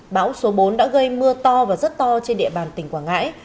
bão số bốn đã gây mưa to và rất to trên địa bàn tỉnh quảng ngãi